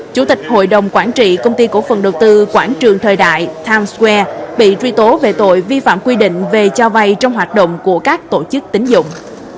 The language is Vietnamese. chủ tịch hội đồng quản trị công ty cổ phần đầu tư quảng trường thời đại times square bị truy tố về tội vi phạm quy định về cho vay trong hoạt động của các tổ chức tính dụng